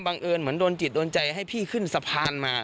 เอิญเหมือนโดนจิตโดนใจให้พี่ขึ้นสะพานมา